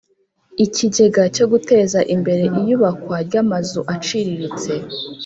Ikigega cyo guteza imbere iyubakwa ry amazu aciriritse